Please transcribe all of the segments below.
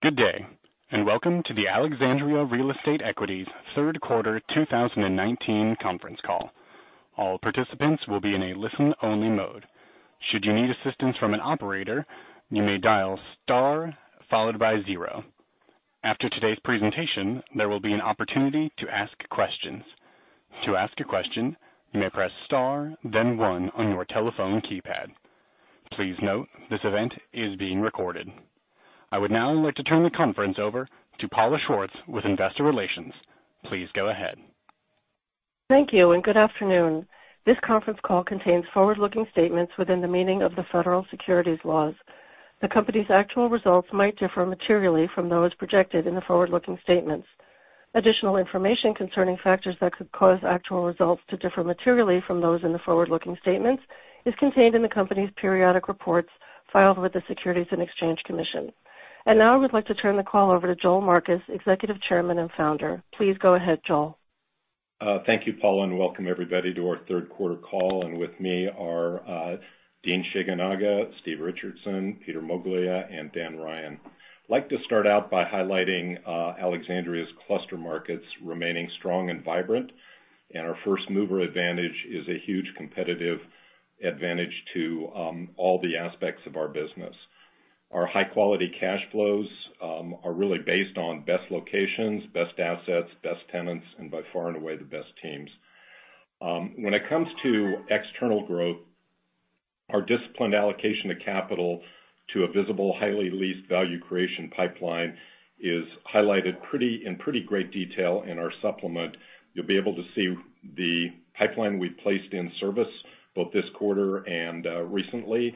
Good day, and welcome to the Alexandria Real Estate Equities third quarter 2019 conference call. All participants will be in a listen-only mode. Should you need assistance from an operator, you may dial star followed by zero. After today's presentation, there will be an opportunity to ask questions. To ask a question, you may press star then one on your telephone keypad. Please note, this event is being recorded. I would now like to turn the conference over to Paula Schwartz with Investor Relations. Please go ahead. Thank you, and good afternoon. This conference call contains forward-looking statements within the meaning of the federal securities laws. The company's actual results might differ materially from those projected in the forward-looking statements. Additional information concerning factors that could cause actual results to differ materially from those in the forward-looking statements is contained in the company's periodic reports filed with the Securities and Exchange Commission. Now I would like to turn the call over to Joel Marcus, Executive Chairman and Founder. Please go ahead, Joel. Thank you, Paula, and welcome everybody to our third quarter call. With me are Dean Shigenaga, Steve Richardson, Peter Moglia, and Dan Ryan. I'd like to start out by highlighting Alexandria's cluster markets remaining strong and vibrant. Our first-mover advantage is a huge competitive advantage to all the aspects of our business. Our high-quality cash flows are really based on best locations, best assets, best tenants, and by far and away, the best teams. When it comes to external growth, our disciplined allocation of capital to a visible, highly leased value creation pipeline is highlighted in pretty great detail in our supplement. You'll be able to see the pipeline we've placed in service both this quarter and recently.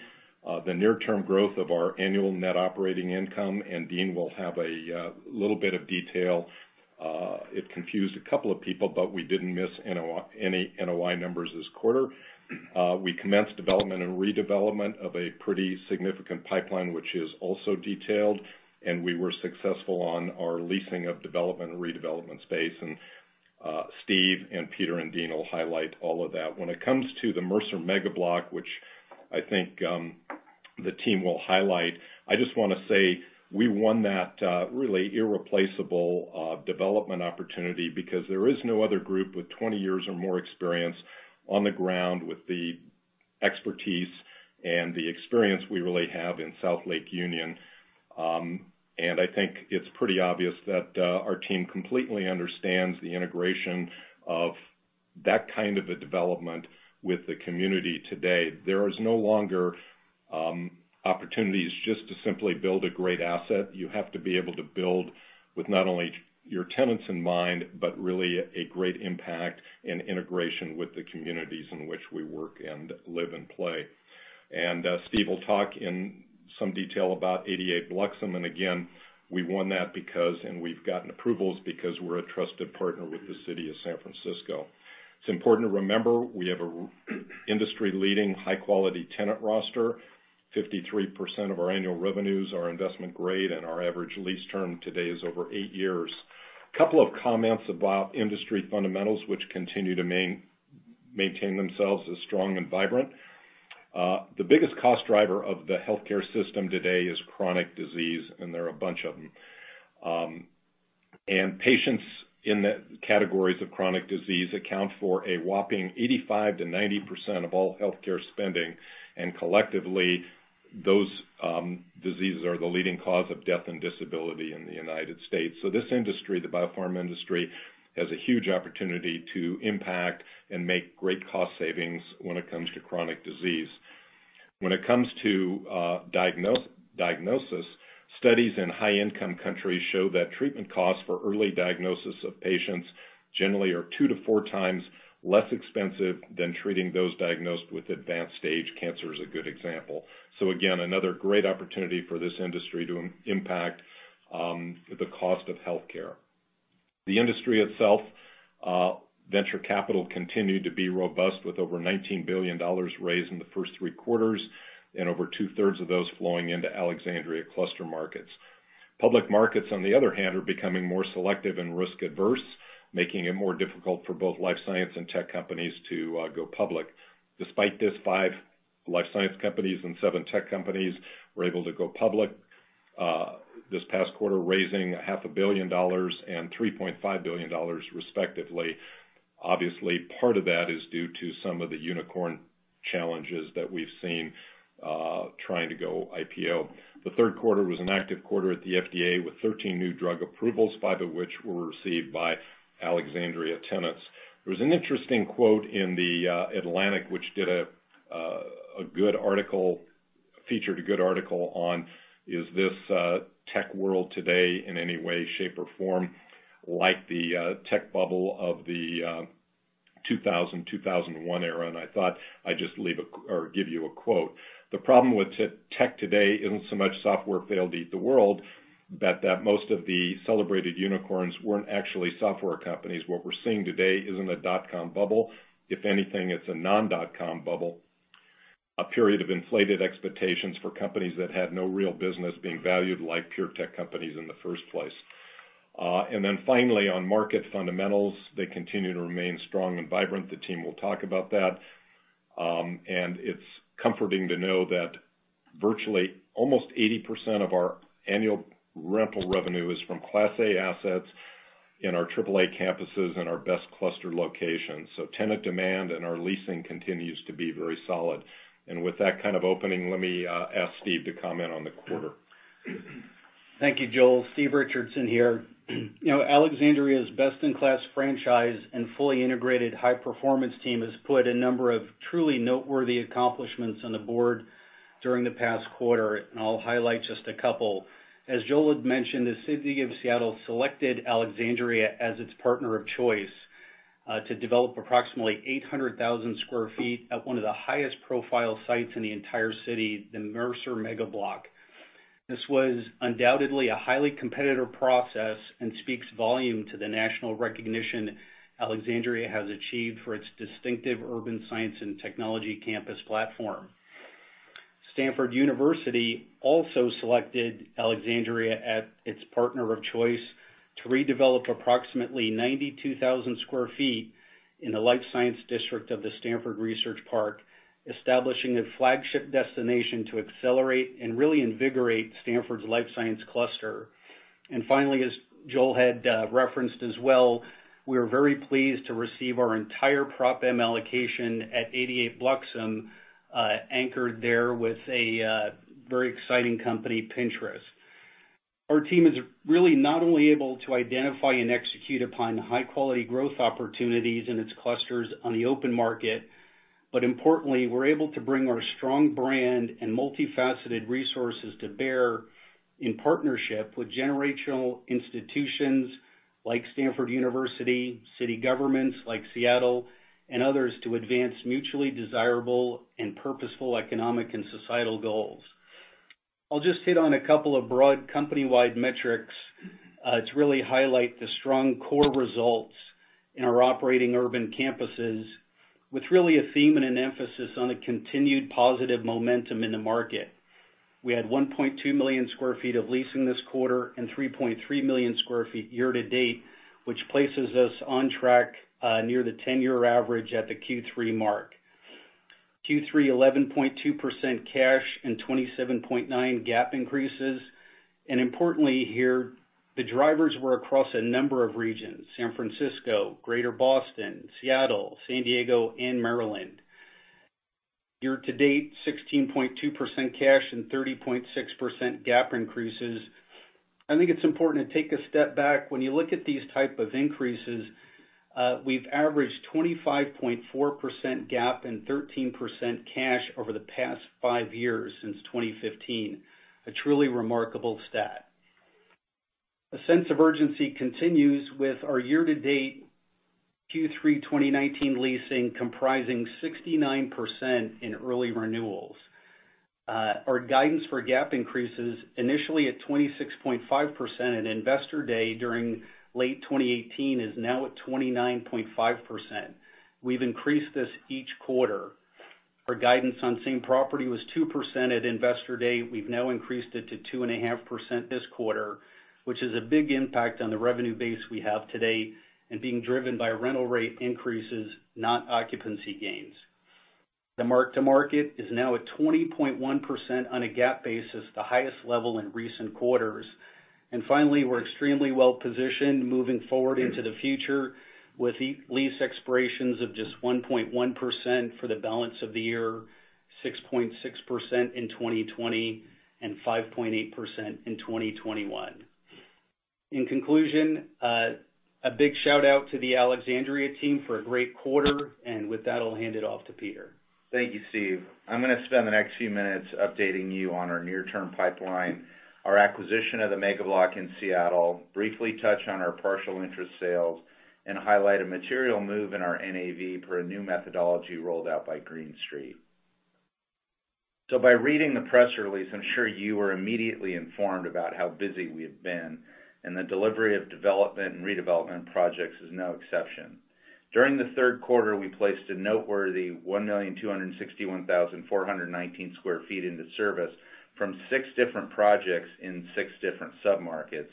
The near-term growth of our annual net operating income, and Dean will have a little bit of detail. It confused a couple of people, but we didn't miss any NOI numbers this quarter. We commenced development and redevelopment of a pretty significant pipeline, which is also detailed, and we were successful on our leasing of development and redevelopment space. Steve and Peter and Dean will highlight all of that. When it comes to the Mercer Mega Block, which I think the team will highlight, I just want to say we won that really irreplaceable development opportunity because there is no other group with 20 years or more experience on the ground with the expertise and the experience we really have in South Lake Union. I think it's pretty obvious that our team completely understands the integration of that kind of a development with the community today. There is no longer opportunities just to simply build a great asset. You have to be able to build with not only your tenants in mind, but really a great impact and integration with the communities in which we work and live and play. Steve will talk in some detail about 88 Bluxome. Again, we won that because, and we've gotten approvals because we're a trusted partner with the city of San Francisco. It's important to remember, we have an industry-leading, high-quality tenant roster. 53% of our annual revenues are investment-grade, and our average lease term today is over eight years. Couple of comments about industry fundamentals, which continue to maintain themselves as strong and vibrant. The biggest cost driver of the healthcare system today is chronic disease, and there are a bunch of them. Patients in the categories of chronic disease account for a whopping 85%-90% of all healthcare spending. Collectively, those diseases are the leading cause of death and disability in the U.S. This industry, the biopharm industry, has a huge opportunity to impact and make great cost savings when it comes to chronic disease. When it comes to diagnosis, studies in high-income countries show that treatment costs for early diagnosis of patients generally are two to four times less expensive than treating those diagnosed with advanced stage cancer is a good example. Again, another great opportunity for this industry to impact the cost of healthcare. The industry itself, venture capital continued to be robust with over $19 billion raised in the first three quarters and over two-thirds of those flowing into Alexandria cluster markets. Public markets, on the other hand, are becoming more selective and risk-averse, making it more difficult for both life science and tech companies to go public. Despite this, five life science companies and seven tech companies were able to go public this past quarter, raising half a billion dollars and $3.5 billion respectively. Obviously, part of that is due to some of the unicorn challenges that we've seen trying to go IPO. The third quarter was an active quarter at the FDA, with 13 new drug approvals, five of which were received by Alexandria tenants. There was an interesting quote in The Atlantic, which did a good article, featured a good article on, is this tech world today in any way, shape, or form like the tech bubble of the 2000, 2001 era? I thought I'd just give you a quote. "The problem with tech today isn't so much software failed to eat the world, but that most of the celebrated unicorns weren't actually software companies. What we're seeing today isn't a dot-com bubble. If anything, it's a non-dot-com bubble, a period of inflated expectations for companies that had no real business being valued like pure tech companies in the first place. Finally, on market fundamentals, they continue to remain strong and vibrant. The team will talk about that. It's comforting to know that virtually almost 80% of our annual rental revenue is from Class A assets in our AAA campuses in our best cluster locations. Tenant demand and our leasing continues to be very solid. With that kind of opening, let me ask Steve to comment on the quarter. Thank you, Joel. Steve Richardson here. Alexandria's best-in-class franchise and fully integrated high-performance team has put a number of truly noteworthy accomplishments on the board during the past quarter, and I'll highlight just a couple. As Joel had mentioned, the City of Seattle selected Alexandria as its partner of choice to develop approximately 800,000 sq ft at one of the highest profile sites in the entire city, the Mercer Mega Block. This was undoubtedly a highly competitive process and speaks volume to the national recognition Alexandria has achieved for its distinctive urban science and technology campus platform. Stanford University also selected Alexandria as its partner of choice to redevelop approximately 92,000 sq ft in the life science district of the Stanford Research Park, establishing a flagship destination to accelerate and really invigorate Stanford's life science cluster. Finally, as Joel had referenced as well, we are very pleased to receive our entire Prop M allocation at 88 Bluxome, anchored there with a very exciting company, Pinterest. Our team is really not only able to identify and execute upon the high-quality growth opportunities in its clusters on the open market, but importantly, we're able to bring our strong brand and multifaceted resources to bear in partnership with generational institutions like Stanford University, city governments like Seattle, and others to advance mutually desirable and purposeful economic and societal goals. I'll just hit on a couple of broad company-wide metrics to really highlight the strong core results in our operating urban campuses with really a theme and an emphasis on a continued positive momentum in the market. We had 1.2 million sq ft of leasing this quarter and 3.3 million sq ft year to date, which places us on track near the 10-year average at the Q3 mark. Q3, 11.2% cash and 27.9% GAAP increases. Importantly here, the drivers were across a number of regions: San Francisco, Greater Boston, Seattle, San Diego, and Maryland. Year to date, 16.2% cash, and 30.6% GAAP increases. I think it's important to take a step back. When you look at these type of increases, we've averaged 25.4% GAAP and 13% cash over the past five years, since 2015. A truly remarkable stat. A sense of urgency continues with our year to date Q3 2019 leasing comprising 69% in early renewals. Our guidance for GAAP increases initially at 26.5% at Investor Day during late 2018, is now at 29.5%. We've increased this each quarter. Our guidance on same property was 2% at Investor Day. We've now increased it to 2.5% this quarter, which is a big impact on the revenue base we have today and being driven by rental rate increases, not occupancy gains. The mark to market is now at 20.1% on a GAAP basis, the highest level in recent quarters. Finally, we're extremely well-positioned moving forward into the future with lease expirations of just 1.1% for the balance of the year, 6.6% in 2020, and 5.8% in 2021. In conclusion, a big shout-out to the Alexandria team for a great quarter. With that, I'll hand it off to Peter. Thank you, Steve. I'm going to spend the next few minutes updating you on our near-term pipeline, our acquisition of the Mega Block in Seattle, briefly touch on our partial interest sales, and highlight a material move in our NAV per a new methodology rolled out by Green Street. By reading the press release, I'm sure you were immediately informed about how busy we have been, and the delivery of development and redevelopment projects is no exception. During the third quarter, we placed a noteworthy 1,261,419 square feet into service from six different projects in six different sub-markets.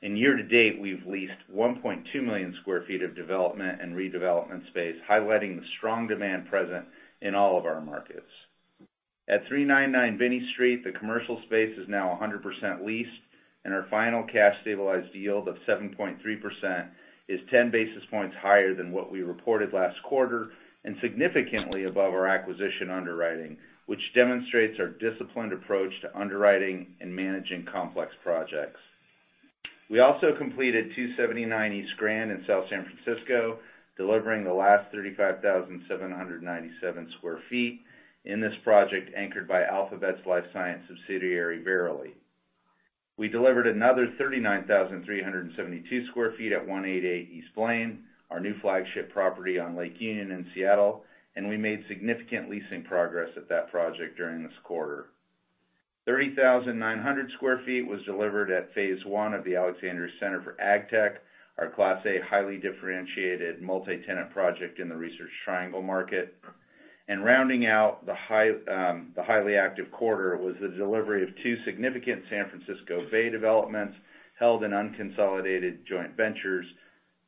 Year to date, we've leased 1.2 million square feet of development and redevelopment space, highlighting the strong demand present in all of our markets. At 399 Binney Street, the commercial space is now 100% leased, and our final cash stabilized yield of 7.3% is 10 basis points higher than what we reported last quarter and significantly above our acquisition underwriting, which demonstrates our disciplined approach to underwriting and managing complex projects. We also completed 279 East Grand in South San Francisco, delivering the last 35,797 sq ft in this project anchored by Alphabet's life science subsidiary, Verily. We delivered another 39,372 sq ft at 188 East Blaine, our new flagship property on Lake Union in Seattle, and we made significant leasing progress at that project during this quarter. 30,900 sq ft was delivered at phase one of the Alexandria Center for AgTech, our class A highly differentiated multi-tenant project in the Research Triangle market. Rounding out the highly active quarter was the delivery of two significant San Francisco Bay developments held in unconsolidated joint ventures,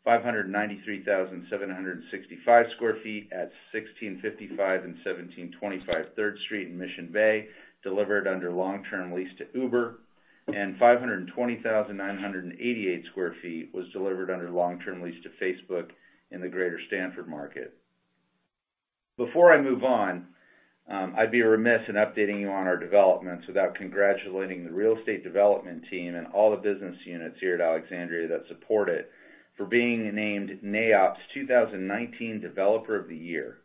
593,765 sq ft at 1655 and 1725 Third Street in Mission Bay, delivered under long-term lease to Uber, and 520,988 sq ft was delivered under long-term lease to Facebook in the greater Stanford market. Before I move on, I'd be remiss in updating you on our developments without congratulating the real estate development team and all the business units here at Alexandria that support it for being named NAIOP's 2019 Developer of the Year.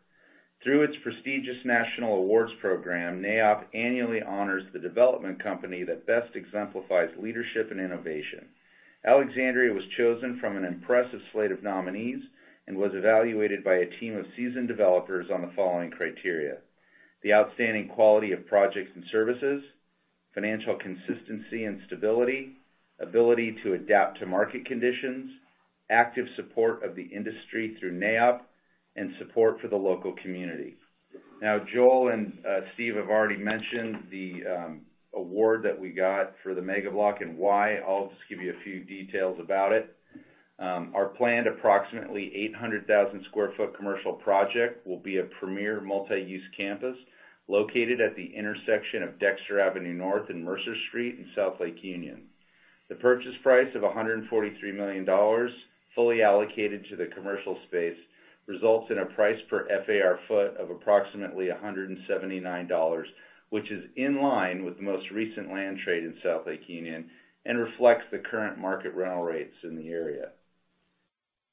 Through its prestigious national awards program, NAIOP annually honors the development company that best exemplifies leadership and innovation. Alexandria was chosen from an impressive slate of nominees and was evaluated by a team of seasoned developers on the following criteria. The outstanding quality of projects and services, financial consistency and stability, ability to adapt to market conditions, active support of the industry through NAIOP, and support for the local community. Joel and Steve have already mentioned the award that we got for the Mega Block and why. I'll just give you a few details about it. Our planned approximately 800,000 sq ft commercial project will be a premier multi-use campus located at the intersection of Dexter Avenue North and Mercer Street in South Lake Union. The purchase price of $143 million, fully allocated to the commercial space, results in a price per FAR foot of approximately $179, which is in line with the most recent land trade in South Lake Union and reflects the current market rental rates in the area.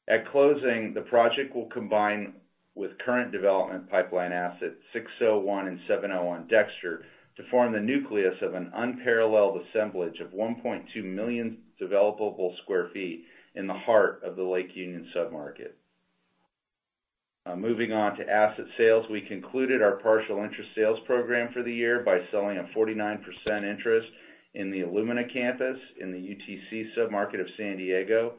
At closing, the project will combine with current development pipeline assets 601 and 701 Dexter to form the nucleus of an unparalleled assemblage of 1.2 million developable sq ft in the heart of the Lake Union sub-market. Moving on to asset sales, we concluded our partial interest sales program for the year by selling a 49% interest in the Illumina Campus in the UTC sub-market of San Diego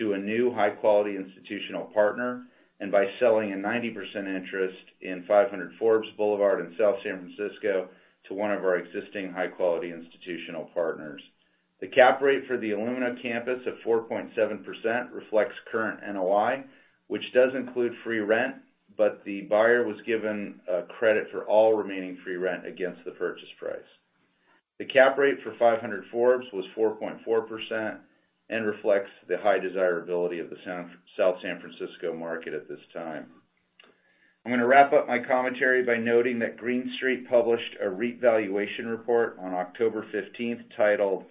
to a new high-quality institutional partner, and by selling a 90% interest in 500 Forbes Boulevard in South San Francisco to one of our existing high-quality institutional partners. The cap rate for the Illumina Campus of 4.7% reflects current NOI, which does include free rent, but the buyer was given a credit for all remaining free rent against the purchase price. The cap rate for 500 Forbes was 4.4% and reflects the high desirability of the South San Francisco market at this time. I'm going to wrap up my commentary by noting that Green Street published a REIT valuation report on October 15th titled,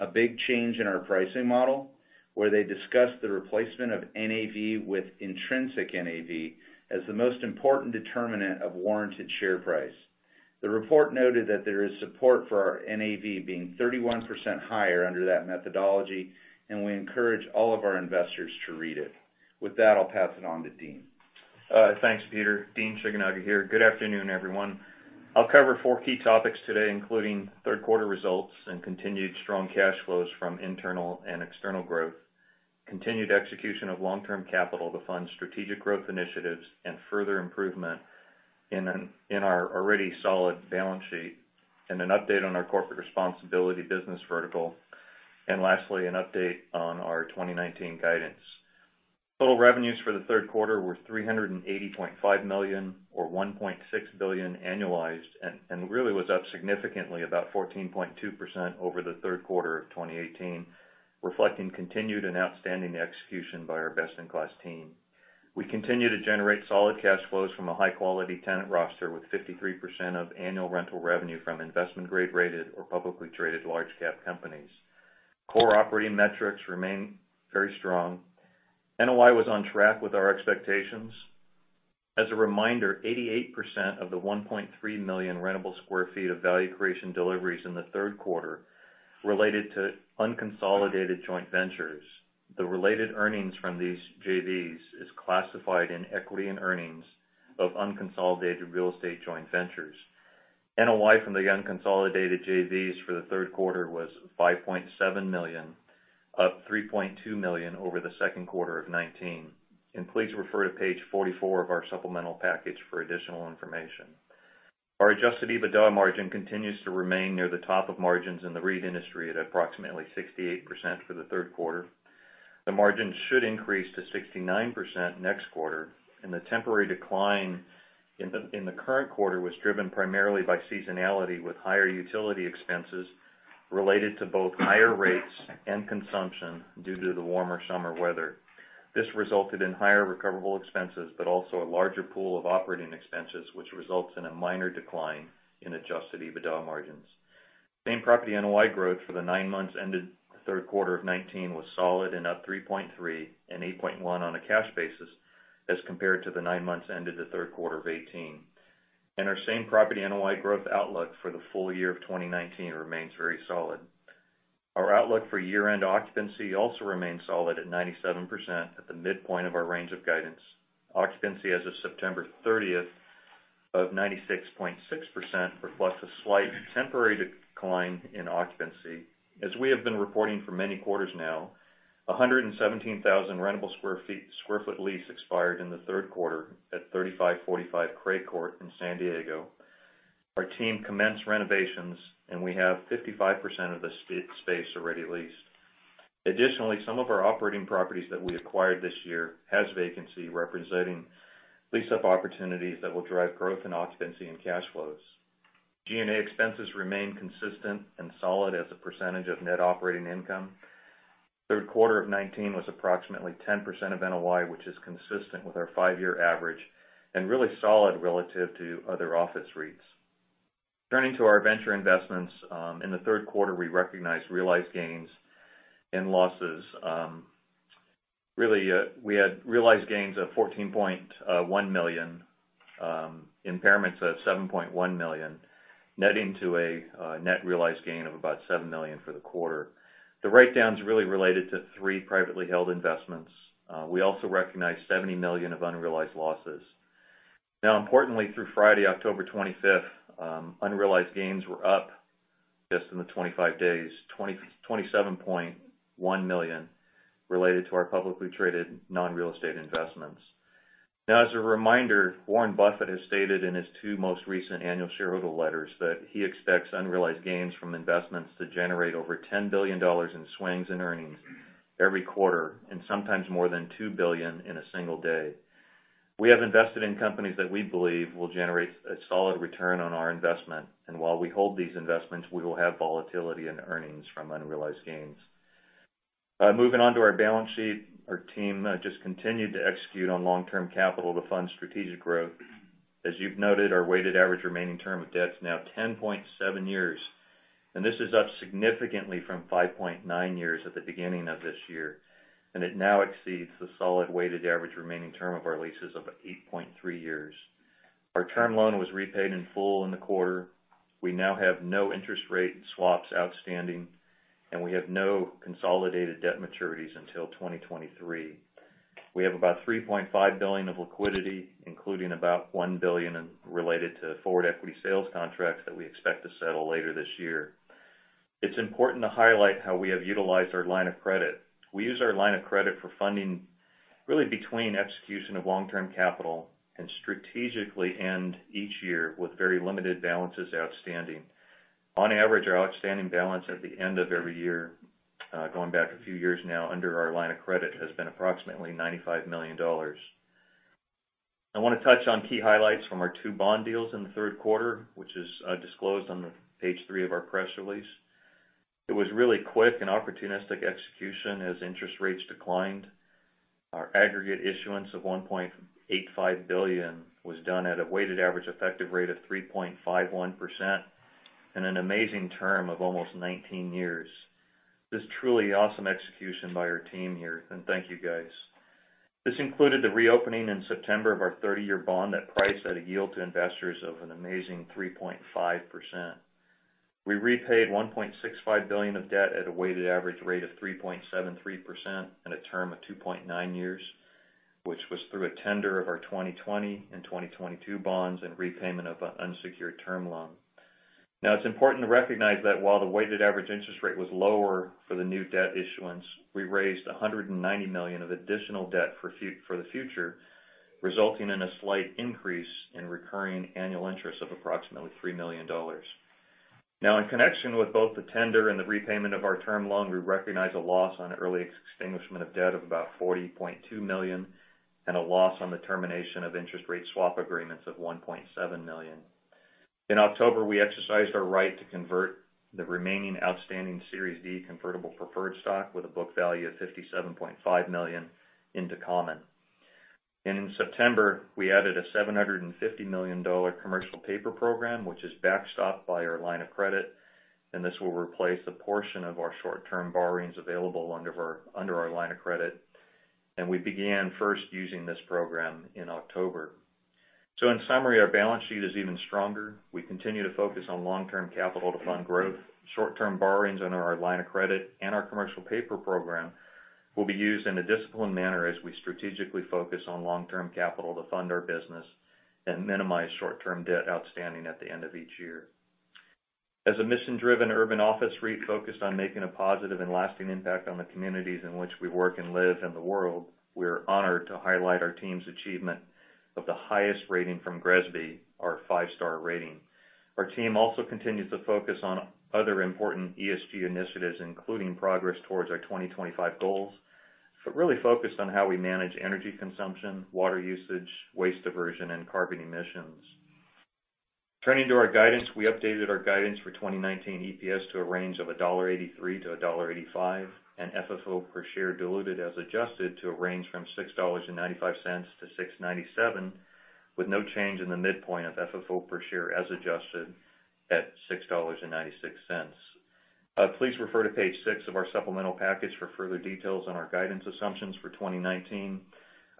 "A Big Change in Our Pricing Model," where they discussed the replacement of NAV with intrinsic NAV as the most important determinant of warranted share price. The report noted that there is support for our NAV being 31% higher under that methodology, and we encourage all of our investors to read it. With that, I'll pass it on to Dean. Thanks, Peter. Dean Shigenaga here. Good afternoon, everyone. I'll cover four key topics today, including third quarter results and continued strong cash flows from internal and external growth, continued execution of long-term capital to fund strategic growth initiatives, and further improvement in our already solid balance sheet, and an update on our corporate responsibility business vertical, and lastly, an update on our 2019 guidance. Total revenues for the third quarter were $380.5 million, or $1.6 billion annualized. Really was up significantly, about 14.2% over the third quarter of 2018, reflecting continued and outstanding execution by our best-in-class team. We continue to generate solid cash flows from a high-quality tenant roster with 53% of annual rental revenue from investment grade rated or publicly traded large cap companies. Core operating metrics remain very strong. NOI was on track with our expectations. As a reminder, 88% of the 1.3 million rentable square feet of value creation deliveries in the third quarter related to unconsolidated joint ventures. The related earnings from these JVs is classified in equity and earnings of unconsolidated real estate joint ventures. NOI from the unconsolidated JVs for the third quarter was $5.7 million, up $3.2 million over the second quarter of 2019. Please refer to page 44 of our supplemental package for additional information. Our adjusted EBITDA margin continues to remain near the top of margins in the REIT industry at approximately 68% for the third quarter. The margin should increase to 69% next quarter, the temporary decline in the current quarter was driven primarily by seasonality with higher utility expenses related to both higher rates and consumption due to the warmer summer weather. This resulted in higher recoverable expenses, but also a larger pool of operating expenses, which results in a minor decline in adjusted EBITDA margins. Same property NOI growth for the nine months ended third quarter of 2019 was solid and up 3.3% and 8.1% on a cash basis as compared to the nine months ended the third quarter of 2018. Our same property NOI growth outlook for the full year of 2019 remains very solid. Our outlook for year-end occupancy also remains solid at 97% at the midpoint of our range of guidance. Occupancy as of September 30th of 96.6% reflects a slight temporary decline in occupancy. As we have been reporting for many quarters now, 117,000 rentable square foot lease expired in the third quarter at 3545 Cray Court in San Diego. Our team commenced renovations, and we have 55% of the space already leased. Additionally, some of our operating properties that we acquired this year have vacancy, representing lease-up opportunities that will drive growth in occupancy and cash flows. G&A expenses remain consistent and solid as a percentage of net operating income. Third quarter of 2019 was approximately 10% of NOI, which is consistent with our five-year average, really solid relative to other office REITs. Turning to our venture investments. In the third quarter, we recognized realized gains and losses. We had realized gains of $14.1 million, impairments of $7.1 million, netting to a net realized gain of about $7 million for the quarter. The writedowns really related to three privately held investments. We also recognized $70 million of unrealized losses. Importantly, through Friday, October 25th, unrealized gains were up just in the 25 days, $27.1 million related to our publicly traded non-real estate investments. Now as a reminder, Warren Buffett has stated in his two most recent annual shareholder letters that he expects unrealized gains from investments to generate over $10 billion in swings in earnings every quarter, and sometimes more than $2 billion in a single day. We have invested in companies that we believe will generate a solid return on our investment. While we hold these investments, we will have volatility in earnings from unrealized gains. Moving on to our balance sheet. Our team just continued to execute on long-term capital to fund strategic growth. As you've noted, our weighted average remaining term of debt is now 10.7 years, and this is up significantly from 5.9 years at the beginning of this year. It now exceeds the solid weighted average remaining term of our leases of 8.3 years. Our term loan was repaid in full in the quarter. We now have no interest rate swaps outstanding, and we have no consolidated debt maturities until 2023. We have about $3.5 billion of liquidity, including about $1 billion related to forward equity sales contracts that we expect to settle later this year. It is important to highlight how we have utilized our line of credit. We use our line of credit for funding really between execution of long-term capital and strategically end each year with very limited balances outstanding. On average, our outstanding balance at the end of every year, going back a few years now under our line of credit, has been approximately $95 million. I want to touch on key highlights from our two bond deals in the third quarter, which is disclosed on page three of our press release. It was really quick and opportunistic execution as interest rates declined. Our aggregate issuance of $1.85 billion was done at a weighted average effective rate of 3.51%, and an amazing term of almost 19 years. This is truly awesome execution by our team here, and thank you, guys. This included the reopening in September of our 30-year bond at price at a yield to investors of an amazing 3.5%. We repaid $1.65 billion of debt at a weighted average rate of 3.73%, and a term of 2.9 years, which was through a tender of our 2020 and 2022 bonds in repayment of an unsecured term loan. It's important to recognize that while the weighted average interest rate was lower for the new debt issuance, we raised $190 million of additional debt for the future, resulting in a slight increase in recurring annual interest of approximately $3 million. Now in connection with both the tender and the repayment of our term loan, we recognize a loss on early extinguishment of debt of about $40.2 million, and a loss on the termination of interest rate swap agreements of $1.7 million. In October, we exercised our right to convert the remaining outstanding Series D convertible preferred stock with a book value of $57.5 million into common. In September, we added a $750 million commercial paper program, which is backstopped by our line of credit, and this will replace a portion of our short-term borrowings available under our line of credit. We began first using this program in October. In summary, our balance sheet is even stronger. We continue to focus on long-term capital to fund growth. Short-term borrowings under our line of credit and our commercial paper program will be used in a disciplined manner as we strategically focus on long-term capital to fund our business and minimize short-term debt outstanding at the end of each year. As a mission-driven urban office REIT focused on making a positive and lasting impact on the communities in which we work and live in the world, we're honored to highlight our team's achievement of the highest rating from GRESB, our five-star rating. Our team also continues to focus on other important ESG initiatives, including progress towards our 2025 goals, really focused on how we manage energy consumption, water usage, waste diversion, and carbon emissions. Turning to our guidance. We updated our guidance for 2019 EPS to a range of $1.83-$1.85, and FFO per share diluted as adjusted to a range from $6.95-$6.97, with no change in the midpoint of FFO per share as adjusted at $6.96. Please refer to page six of our supplemental package for further details on our guidance assumptions for 2019.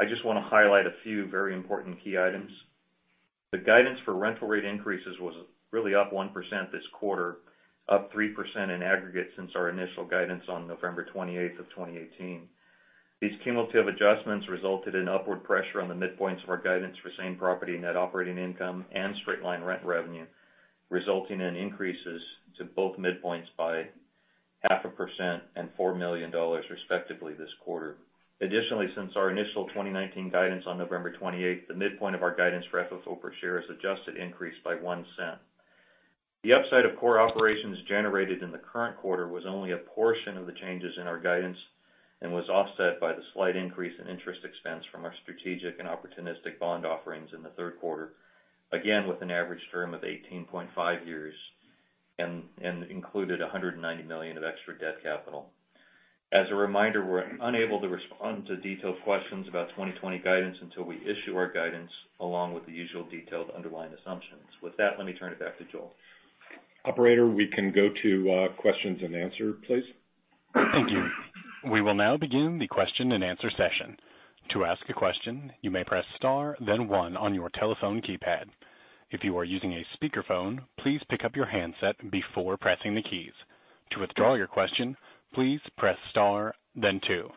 I just want to highlight a few very important key items. The guidance for rental rate increases was really up 1% this quarter, up 3% in aggregate since our initial guidance on November 28, 2018. These cumulative adjustments resulted in upward pressure on the midpoints of our guidance for same-property net operating income and straight-line rent revenue, resulting in increases to both midpoints by half a percent and $4 million respectively this quarter. Additionally, since our initial 2019 guidance on November 28th, the midpoint of our guidance for FFO per share is adjusted increase by $0.01. The upside of core operations generated in the current quarter was only a portion of the changes in our guidance and was offset by the slight increase in interest expense from our strategic and opportunistic bond offerings in the third quarter, again, with an average term of 18.5 years and included $190 million of extra debt capital. As a reminder, we're unable to respond to detailed questions about 2020 guidance until we issue our guidance along with the usual detailed underlying assumptions. With that, let me turn it back to Joel. Operator, we can go to questions and answer, please. Thank you. We will now begin the question and answer session. To ask a question, you may press star, then one on your telephone keypad. If you are using a speakerphone, please pick up your handset before pressing the keys. To withdraw your question, please press star, then two.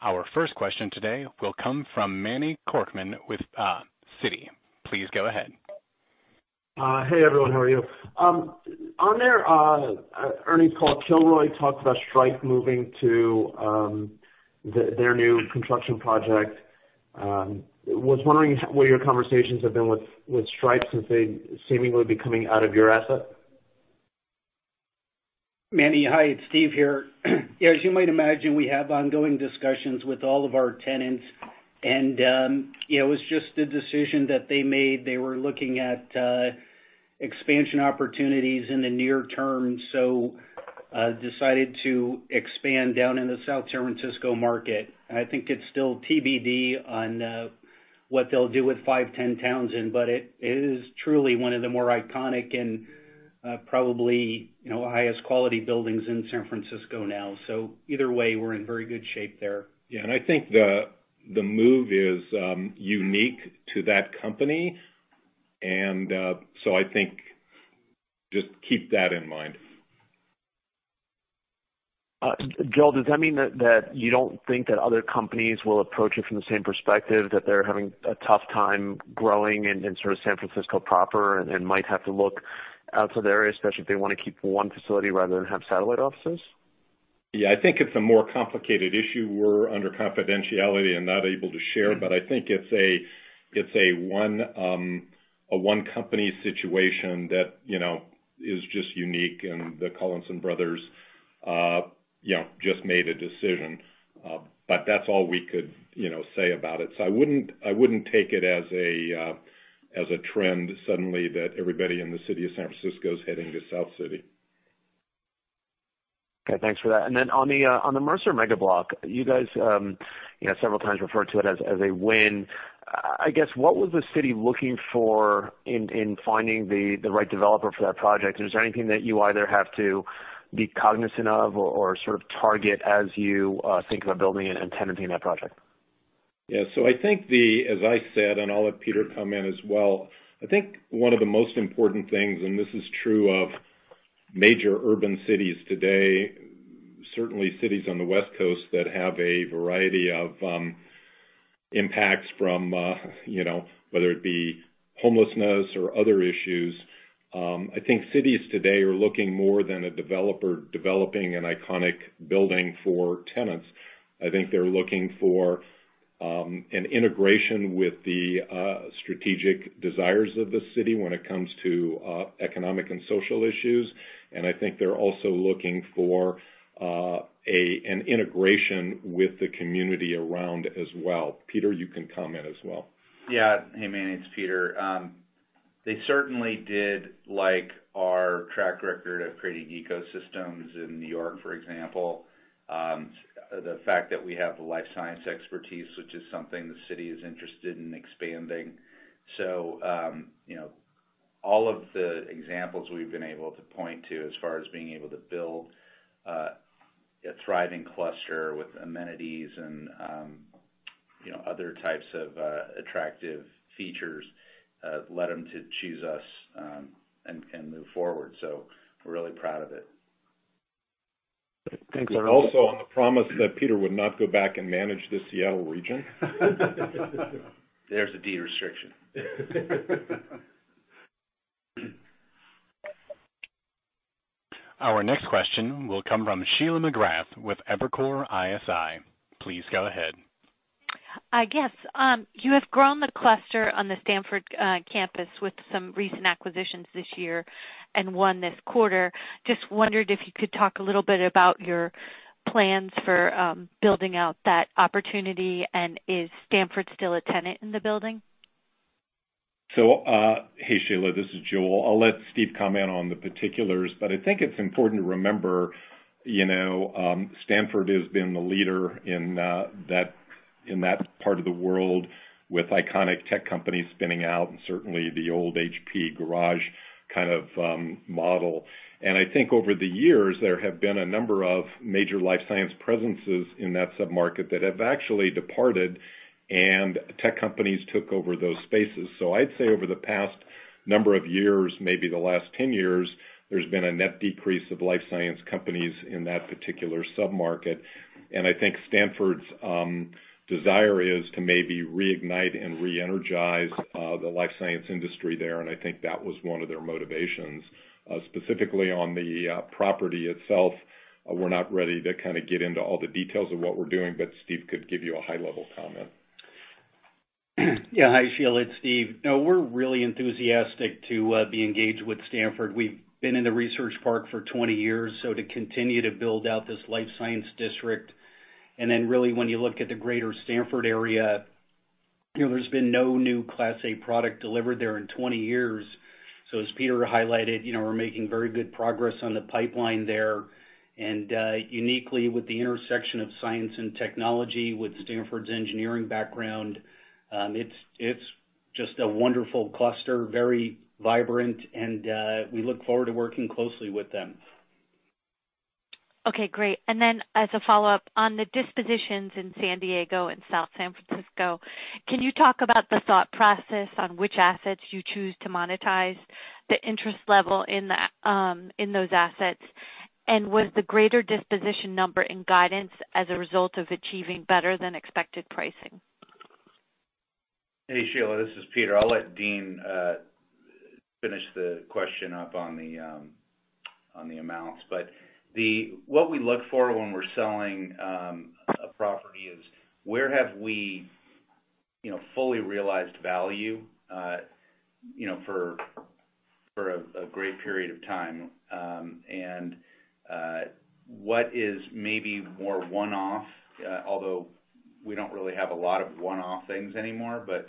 Our first question today will come from Manny Korchman with Citigroup. Please go ahead. Hey everyone, how are you? On their earnings call, Kilroy talked about Stripe moving to their new construction project. Was wondering what your conversations have been with Stripe since they seemingly be coming out of your asset? Manny, hi, it's Steve here. As you might imagine, we have ongoing discussions with all of our tenants. It was just a decision that they made. They were looking at expansion opportunities in the near term. Decided to expand down in the South San Francisco market. I think it's still TBD on what they'll do with 510 Townsend. It is truly one of the more iconic and probably highest quality buildings in San Francisco now. Either way, we're in very good shape there. Yeah, I think the move is unique to that company, and so I think just keep that in mind. Joel, does that mean that you don't think that other companies will approach it from the same perspective, that they're having a tough time growing in San Francisco proper and might have to look out to the area, especially if they want to keep one facility rather than have satellite offices? I think it's a more complicated issue. We're under confidentiality and not able to share, but I think it's a one-company situation that is just unique and the Collison Brothers just made a decision. That's all we could say about it. I wouldn't take it as a trend suddenly that everybody in the city of San Francisco is heading to South City. Okay, thanks for that. On the Mercer Mega Block, you guys several times referred to it as a win. I guess, what was the city looking for in finding the right developer for that project? Is there anything that you either have to be cognizant of or sort of target as you think about building and tenanting that project? As I said, I'll let Peter come in as well. I think one of the most important things, and this is true of major urban cities today, certainly cities on the West Coast that have a variety of impacts from whether it be homelessness or other issues. I think cities today are looking more than a developer developing an iconic building for tenants. I think they're looking for an integration with the strategic desires of the city when it comes to economic and social issues. I think they're also looking for an integration with the community around as well. Peter, you can comment as well. Yeah. Hey, Manny, it's Peter. They certainly did like our track record of creating ecosystems in New York, for example. The fact that we have the life science expertise, which is something the city is interested in expanding. All of the examples we've been able to point to as far as being able to build a thriving cluster with amenities and other types of attractive features led them to choose us and move forward. We're really proud of it. Thanks. On the promise that Peter would not go back and manage the Seattle region. There's a de-restriction. Our next question will come from Sheila McGrath with Evercore ISI. Please go ahead. I guess, you have grown the cluster on the Stanford campus with some recent acquisitions this year and one this quarter. Just wondered if you could talk a little bit about your plans for building out that opportunity, and is Stanford still a tenant in the building? Hey, Sheila, this is Joel. I'll let Steve comment on the particulars, but I think it's important to remember Stanford has been the leader in that part of the world with iconic tech companies spinning out and certainly the old HP garage kind of model. I think over the years, there have been a number of major life science presences in that sub-market that have actually departed, and tech companies took over those spaces. I'd say over the past number of years, maybe the last 10 years, there's been a net decrease of life science companies in that particular sub-market. I think Stanford's desire is to maybe reignite and reenergize the life science industry there, and I think that was one of their motivations. Specifically on the property itself, we're not ready to kind of get into all the details of what we're doing, but Steve could give you a high-level comment. Yeah. Hi, Sheila, it's Steve. No, we're really enthusiastic to be engaged with Stanford. We've been in the Research Park for 20 years, so to continue to build out this life science district, and then really when you look at the greater Stanford area, there's been no new Class A product delivered there in 20 years. As Peter highlighted, we're making very good progress on the pipeline there. Uniquely, with the intersection of science and technology with Stanford's engineering background, it's just a wonderful cluster, very vibrant, and we look forward to working closely with them. Okay, great. As a follow-up, on the dispositions in San Diego and South San Francisco, can you talk about the thought process on which assets you choose to monetize, the interest level in those assets? Was the greater disposition number in guidance as a result of achieving better than expected pricing? Hey, Sheila, this is Peter. I'll let Dean finish the question up on the amounts. What we look for when we're selling a property is where have we fully realized value for a great period of time. What is maybe more one-off, although we don't really have a lot of one-off things anymore, but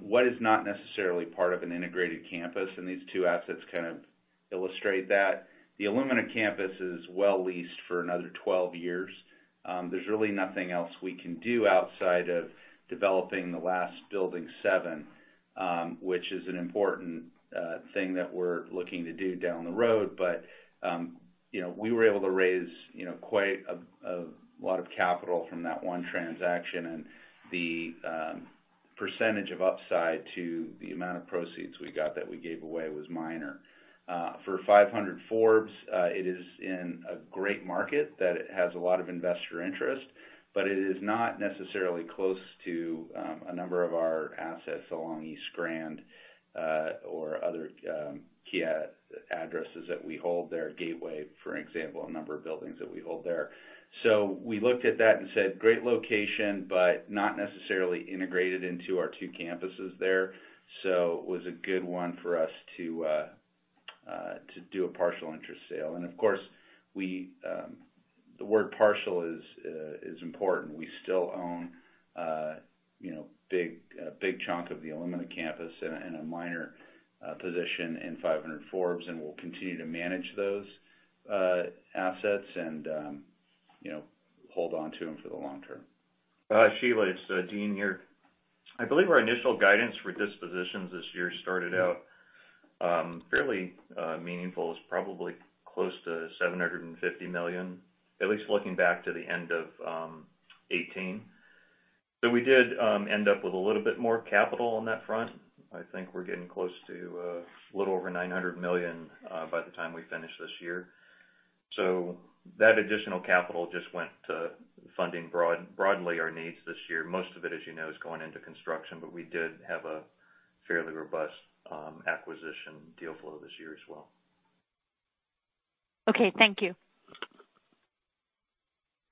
what is not necessarily part of an integrated campus, and these two assets kind of illustrate that. The Illumina campus is well leased for another 12 years. There's really nothing else we can do outside of developing the last building seven, which is an important thing that we're looking to do down the road. We were able to raise quite a lot of capital from that one transaction, and the percentage of upside to the amount of proceeds we got that we gave away was minor. For 500 Forbes, it is in a great market that it has a lot of investor interest, but it is not necessarily close to a number of our assets along East Grand, or other key addresses that we hold there, Gateway, for example, a number of buildings that we hold there. We looked at that and said, great location, but not necessarily integrated into our two campuses there. Of course, the word partial is important. We still own a big chunk of the Illumina campus and a minor position in 500 Forbes, and we'll continue to manage those assets and hold onto them for the long term. Sheila, it's Dean here. I believe our initial guidance for dispositions this year started out fairly meaningful. It's probably close to $750 million, at least looking back to the end of 2018. We did end up with a little bit more capital on that front. I think we're getting close to a little over $900 million by the time we finish this year. That additional capital just went to funding broadly our needs this year. Most of it, as you know, is going into construction, but we did have a fairly robust acquisition deal flow this year as well. Okay, thank you.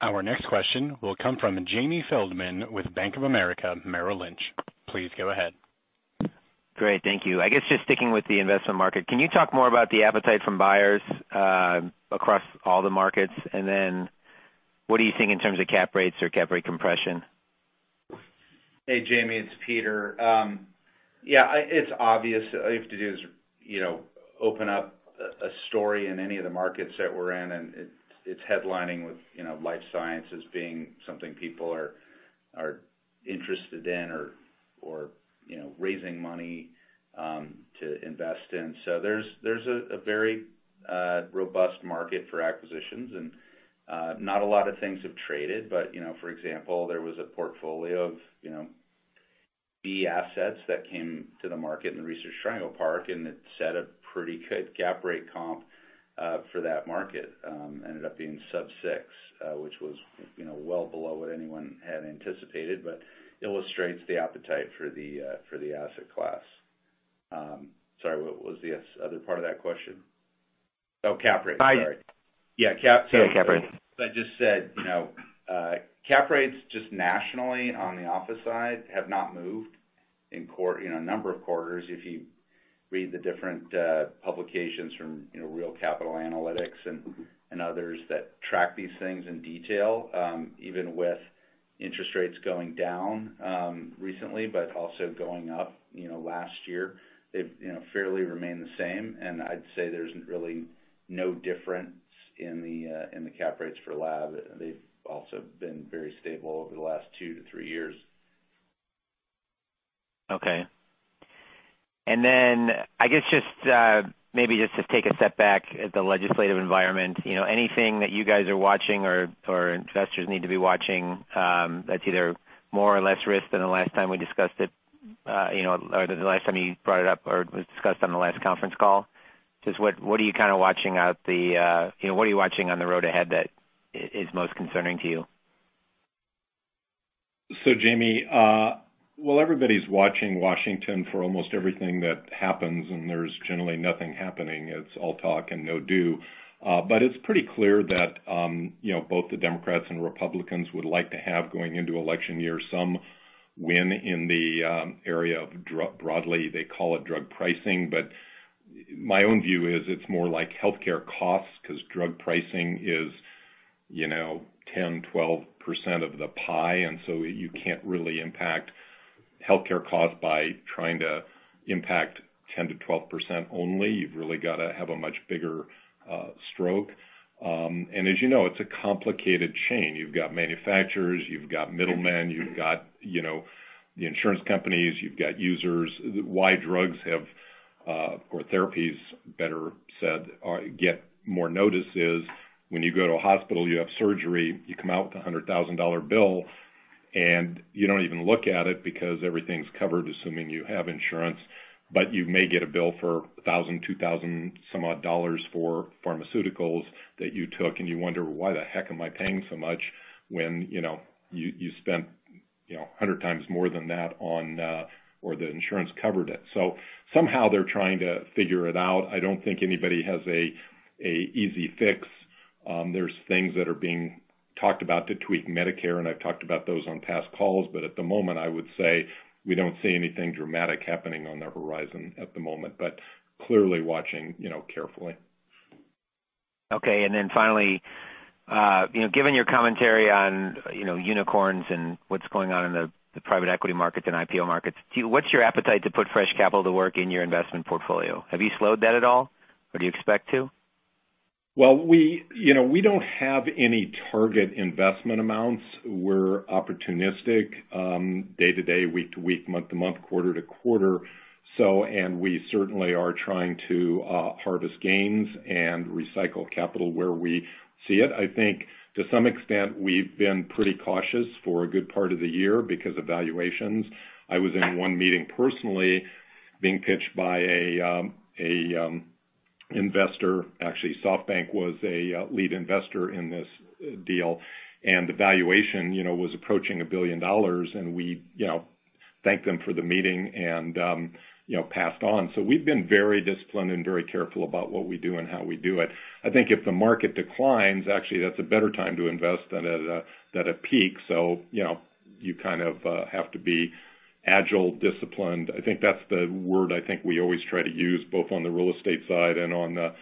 Our next question will come from Jamie Feldman with Bank of America Merrill Lynch. Please go ahead. Great. Thank you. I guess just sticking with the investment market, can you talk more about the appetite from buyers across all the markets, what are you seeing in terms of cap rates or cap rate compression? Hey, Jamie, it's Peter. It's obvious. All you have to do is open up a story in any of the markets that we're in, and it's headlining with life sciences being something people are interested in or raising money to invest in. There's a very robust market for acquisitions, and not a lot of things have traded. For example, there was a portfolio of B assets that came to the market in the Research Triangle Park, and it set a pretty good cap rate comp for that market. Ended up being sub-six, which was well below what anyone had anticipated, but illustrates the appetite for the asset class. Sorry, what was the other part of that question? Oh, cap rate. Sorry. Yeah, cap rate. As I just said, cap rates just nationally on the office side have not moved in a number of quarters. If you read the different publications from Real Capital Analytics and others that track these things in detail, even with interest rates going down recently, but also going up last year, they've fairly remained the same. I'd say there's really no difference in the cap rates for lab. They've also been very stable over the last two to three years. Okay. I guess just maybe just to take a step back at the legislative environment. Anything that you guys are watching or investors need to be watching that's either more or less risk than the last time we discussed it, or the last time you brought it up or it was discussed on the last conference call? Just what are you watching on the road ahead that is most concerning to you? Jamie. Well, everybody's watching Washington for almost everything that happens, and there's generally nothing happening. It's all talk and no do. It's pretty clear that both the Democrats and Republicans would like to have, going into election year, some win in the area of, broadly, they call it drug pricing. My own view is it's more like healthcare costs, because drug pricing is 10%, 12% of the pie, and so you can't really impact healthcare costs by trying to impact 10%-12% only. You've really got to have a much bigger stroke. As you know, it's a complicated chain. You've got manufacturers, you've got middlemen, you've got the insurance companies, you've got users. Why drugs have, or therapies, better said, get more notice is when you go to a hospital, you have surgery, you come out with a $100,000 bill, and you don't even look at it because everything's covered, assuming you have insurance. You may get a bill for $1,000, $2,000-some-odd for pharmaceuticals that you took, and you wonder, why the heck am I paying so much when you spent 100 times more than that on or the insurance covered it. Somehow they're trying to figure it out. I don't think anybody has an easy fix. There's things that are being talked about to tweak Medicare, and I've talked about those on past calls, but at the moment, I would say we don't see anything dramatic happening on the horizon at the moment, but clearly watching carefully. Finally, given your commentary on unicorns and what's going on in the private equity markets and IPO markets, what's your appetite to put fresh capital to work in your investment portfolio? Have you slowed that at all, or do you expect to? Well, we don't have any target investment amounts. We're opportunistic day to day, week to week, month to month, quarter to quarter. We certainly are trying to harvest gains and recycle capital where we see it. I think to some extent, we've been pretty cautious for a good part of the year because of valuations. I was in one meeting personally being pitched by an investor. Actually, SoftBank was a lead investor in this deal, and the valuation was approaching $1 billion, and we thanked them for the meeting and passed on. We've been very disciplined and very careful about what we do and how we do it. I think if the market declines, actually, that's a better time to invest than at a peak. You kind of have to be agile, disciplined. I think that's the word I think we always try to use, both on the real estate side and on the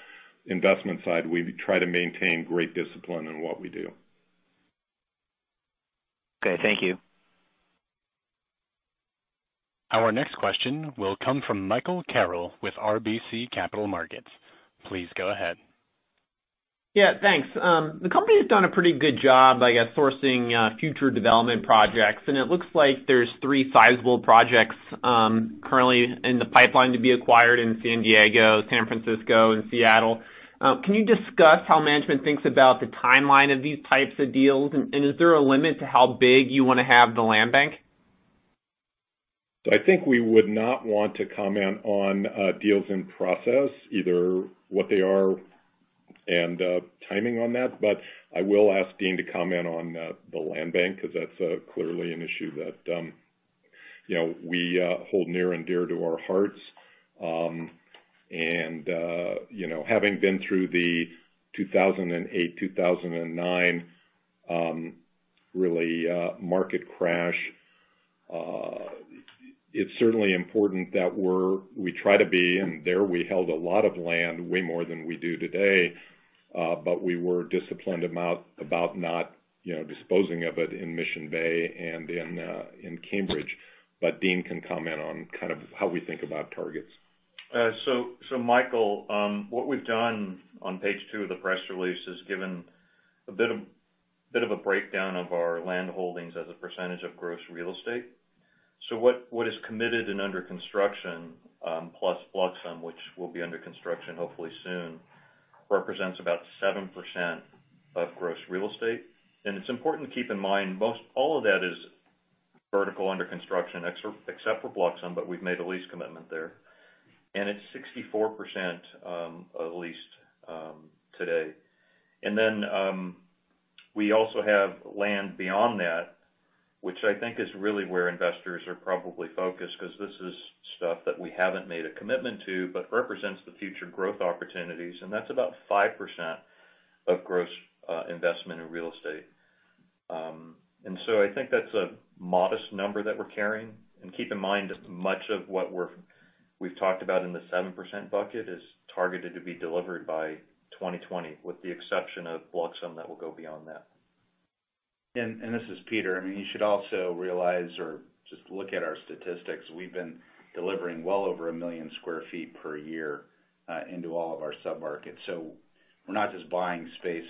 investment side. We try to maintain great discipline in what we do. Okay. Thank you. Our next question will come from Michael Carroll with RBC Capital Markets. Please go ahead. Yeah, thanks. The company has done a pretty good job, I guess, sourcing future development projects, and it looks like there's three sizable projects currently in the pipeline to be acquired in San Diego, San Francisco, and Seattle. Can you discuss how management thinks about the timeline of these types of deals, and is there a limit to how big you want to have the land bank? I think we would not want to comment on deals in process, either what they are and timing on that. I will ask Dean to comment on the land bank, because that's clearly an issue that we hold near and dear to our hearts. Having been through the 2008, 2009, really market crash, it's certainly important that we try to be in there. We held a lot of land, way more than we do today. We were disciplined about not disposing of it in Mission Bay and in Cambridge. Dean can comment on kind of how we think about targets. Michael, what we've done on page two of the press release is given a bit of a breakdown of our land holdings as a percentage of gross real estate. What is committed and under construction, plus Bluxome, which will be under construction hopefully soon, represents about 7% of gross real estate. It's important to keep in mind, all of that is vertical under construction, except for Bluxome, but we've made a lease commitment there, and it's 64% leased today. Then we also have land beyond that, which I think is really where investors are probably focused, because this is stuff that we haven't made a commitment to but represents the future growth opportunities, and that's about 5% of gross investment in real estate. I think that's a modest number that we're carrying. Keep in mind, much of what we've talked about in the 7% bucket is targeted to be delivered by 2020, with the exception of Bluxome, that will go beyond that. This is Peter. I mean, you should also realize or just look at our statistics. We've been delivering well over 1 million square feet per year into all of our sub-markets. We're not just buying space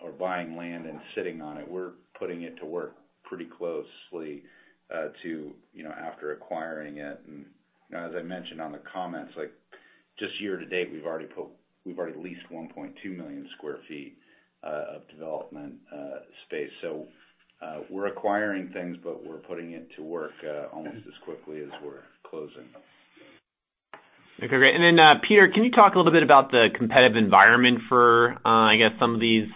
or buying land and sitting on it. We're putting it to work pretty closely after acquiring it. As I mentioned on the comments, just year-to-date, we've already leased 1.2 million square feet of development space. We're acquiring things, but we're putting it to work almost as quickly as we're closing. Okay, great. Peter, can you talk a little bit about the competitive environment for, I guess, some of these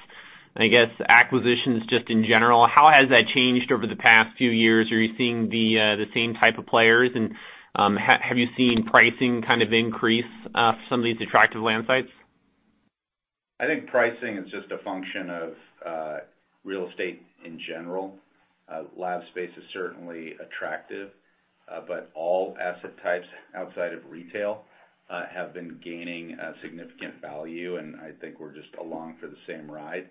acquisitions just in general? How has that changed over the past few years? Are you seeing the same type of players, have you seen pricing kind of increase for some of these attractive land sites? I think pricing is just a function of real estate in general. Lab space is certainly attractive, but all asset types outside of retail have been gaining significant value, and I think we're just along for the same ride.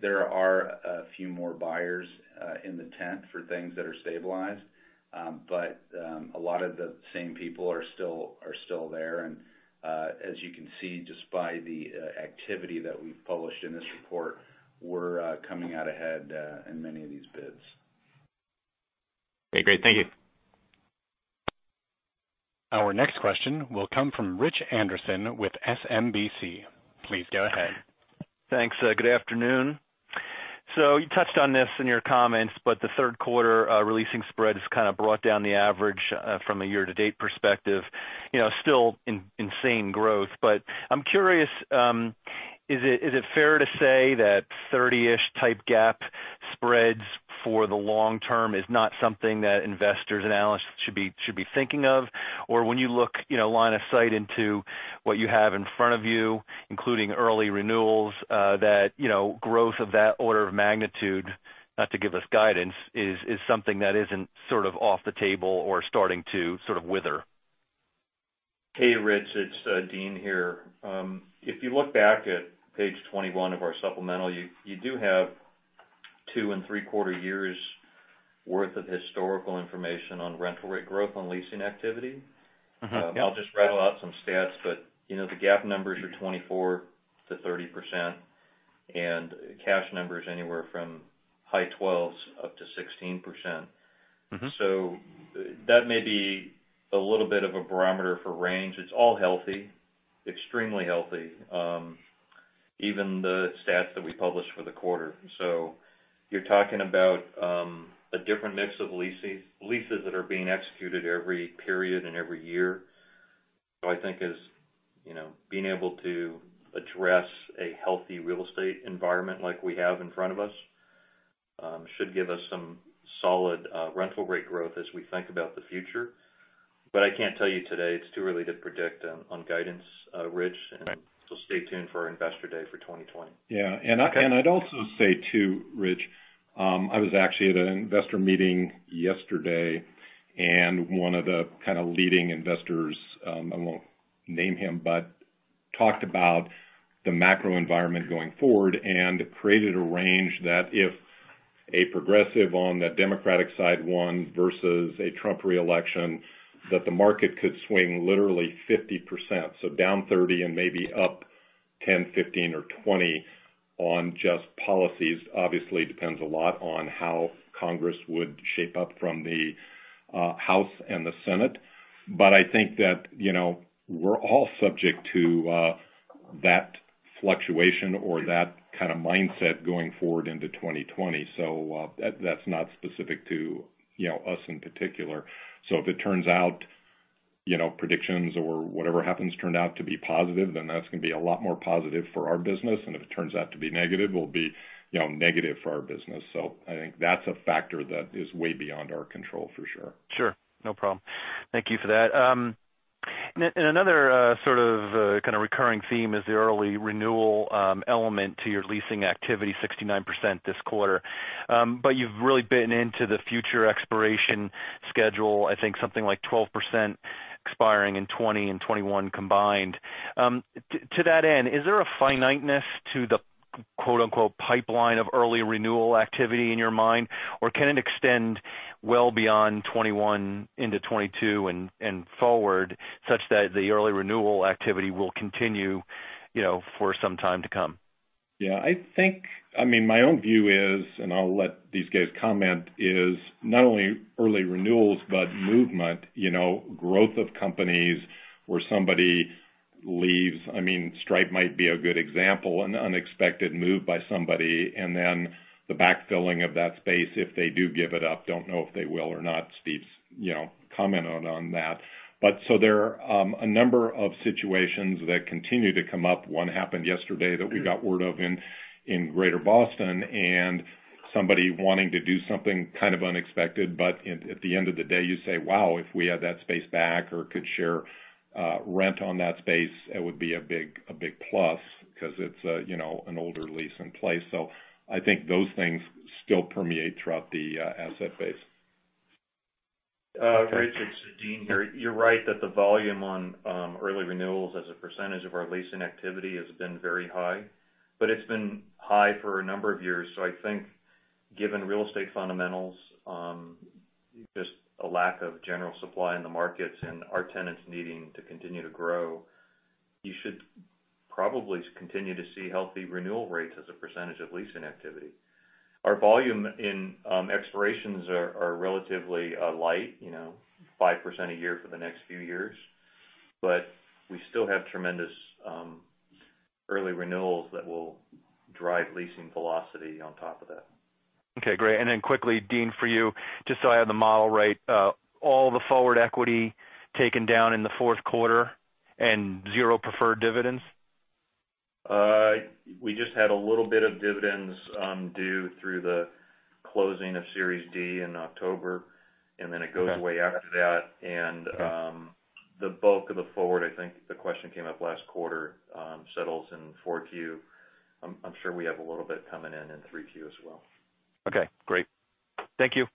There are a few more buyers in the tent for things that are stabilized. A lot of the same people are still there. As you can see just by the activity that we've published in this report, we're coming out ahead in many of these bids. Okay, great. Thank you. Our next question will come from Rich Anderson with SMBC. Please go ahead. Thanks. Good afternoon. You touched on this in your comments, but the third quarter releasing spread has kind of brought down the average from a year-to-date perspective. Still insane growth, but I'm curious, is it fair to say that 30-ish type GAAP spreads for the long term is not something that investors and analysts should be thinking of? When you look line of sight into what you have in front of you, including early renewals, that growth of that order of magnitude, not to give us guidance, is something that isn't sort of off the table or starting to sort of wither? Hey, Rich, it's Dean here. If you look back at page 21 of our supplemental, you do have two and three-quarter years' worth of historical information on rental rate growth on leasing activity. Yeah. I'll just rattle out some stats, but the GAAP numbers are 24%-30%, and cash numbers anywhere from high 12% up to 16%. That may be a little bit of a barometer for range. It's all healthy, extremely healthy. Even the stats that we published for the quarter. You're talking about a different mix of leases that are being executed every period and every year. I think as being able to address a healthy real estate environment like we have in front of us, should give us some solid rental rate growth as we think about the future. I can't tell you today, it's too early to predict on guidance, Rich. Right. Stay tuned for our Investor Day for 2020. I'd also say too, Rich, I was actually at an investor meeting yesterday, and one of the kind of leading investors, I won't name him, but talked about the macro environment going forward and created a range that if a progressive on the Democratic side won versus a Trump re-election, that the market could swing literally 50%. Down 30 and maybe up 10, 15, or 20 on just policies. Obviously, depends a lot on how Congress would shape up from the House and the Senate. I think that we're all subject to that fluctuation or that kind of mindset going forward into 2020. That's not specific to us in particular. If it turns out predictions or whatever happens turned out to be positive, then that's gonna be a lot more positive for our business. If it turns out to be negative, will be negative for our business. I think that's a factor that is way beyond our control for sure. Sure. No problem. Thank you for that. Another sort of kind of recurring theme is the early renewal element to your leasing activity, 69% this quarter. You've really bitten into the future expiration schedule, I think something like 12% expiring in 2020 and 2021 combined. To that end, is there a finiteness to the quote, unquote, "pipeline of early renewal activity" in your mind? Can it extend well beyond 2021 into 2022 and forward, such that the early renewal activity will continue for some time to come? I think, my own view is, and I'll let these guys comment, is not only early renewals, but movement, growth of companies where somebody leaves. Stripe might be a good example, an unexpected move by somebody, and then the backfilling of that space if they do give it up, don't know if they will or not. Steve's commented on that. There are a number of situations that continue to come up. One happened yesterday that we got word of in Greater Boston, and somebody wanting to do something kind of unexpected, but at the end of the day, you say, "Wow, if we had that space back or could share rent on that space, it would be a big plus," because it's an older lease in place. I think those things still permeate throughout the asset base. Rich, it's Dean here. You're right that the volume on early renewals as a percentage of our leasing activity has been very high, but it's been high for a number of years. I think given real estate fundamentals, just a lack of general supply in the markets and our tenants needing to continue to grow, you should probably continue to see healthy renewal rates as a percentage of leasing activity. Our volume in expirations are relatively light, 5% a year for the next few years. We still have tremendous early renewals that will drive leasing velocity on top of that. Okay, great. Then quickly, Dean, for you, just so I have the model right, all the forward equity taken down in the fourth quarter and zero preferred dividends? We just had a little bit of dividends due through the closing of Series D in October, and then it goes away after that. The bulk of the forward, I think the question came up last quarter, settles in 4Q. I'm sure we have a little bit coming in in 3Q as well. Okay, great. Thank you.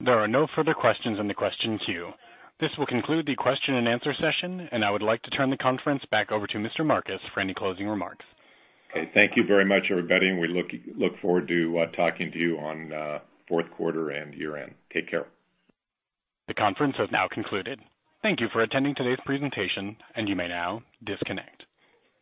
There are no further questions in the question queue. This will conclude the question and answer session, and I would like to turn the conference back over to Mr. Marcus for any closing remarks. Okay. Thank you very much, everybody, and we look forward to talking to you on fourth quarter and year-end. Take care. The conference has now concluded. Thank you for attending today's presentation, and you may now disconnect.